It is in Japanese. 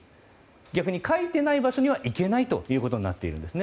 逆に書いてない場所には行けないということになっているんです。